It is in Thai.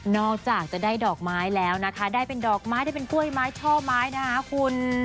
จากจะได้ดอกไม้แล้วนะคะได้เป็นดอกไม้ได้เป็นกล้วยไม้ช่อไม้นะคะคุณ